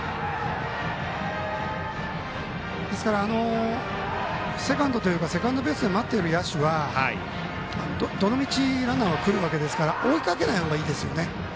ですからセカンドベースで待っている野手は、どの道ランナーは来るわけですから追いかけない方がいいですよね